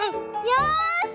よし！